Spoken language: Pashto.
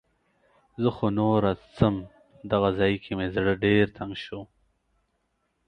زه خو نوره څم. دغه ځای کې مې زړه ډېر تنګ شو.